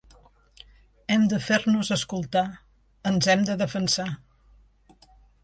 Hem de fer-nos escoltar, ens hem de defensar.